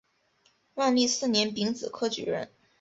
万历四年丙子科举人。